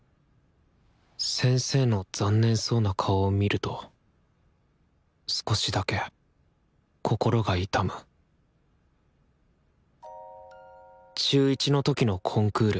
先生の残念そうな顔を見ると少しだけ心が痛む中１の時のコンクール。